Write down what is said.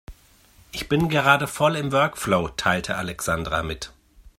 "Ich bin gerade voll im Workflow", teilte Alexandra mit.